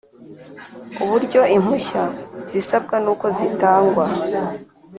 Uburyo impushya zisabwa n uko zitangwa